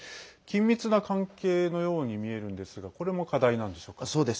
緊密な関係のようにみえるんですがこれも課題なんでしょうか。